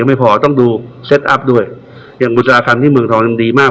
ยังไม่พอต้องดูเซ็ตอัพด้วยอย่างกุศาการที่เมืองทองดีมาก